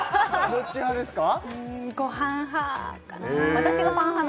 どちらですか？